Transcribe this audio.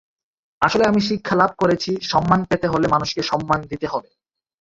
আসলে আমি শিক্ষা লাভ করেছি, সম্মান পেতে হলে মানুষকে সম্মান দিতে হবে।